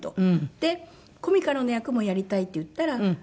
で「コミカルな役もやりたい」って言ったら。